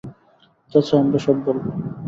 চাচা, আমরা সব বলবো।